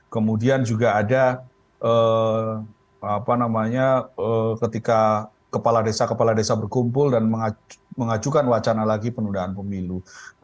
kemudian juga ada apa namanya ketika kepala desa kepala desa berkumpul dan mengajukan wacana lagi penundaan pemilu